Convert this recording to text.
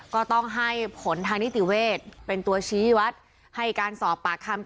ก็ต้องให้ผลทางนิติเวศเป็นตัวชี้วัดให้การสอบปากคำ